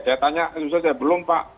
saya tanya selesai belum pak